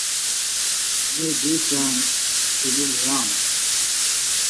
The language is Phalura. می دوئیۡ شانگ چِھنیۡ لِھیئیانوۡ